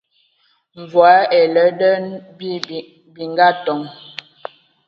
Mvɔ ai nlɛdɛn bi ngatoŋ.